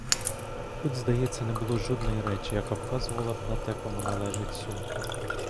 Тут, здається, не було жодної речі, яка вказувала б на те, кому належить сумка.